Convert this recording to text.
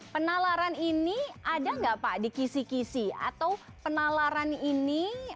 penalaran ini ada nggak pak di kisi kisi atau penalaran ini